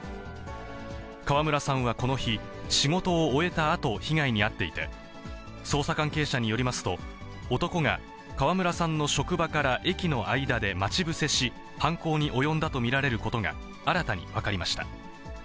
川村さんはこの日、仕事を終えたあと、被害に遭っていて、捜査関係者によりますと、男が川村さんの職場から駅の間で待ち伏せし、犯行に及んだと見られることが新たに分かりました。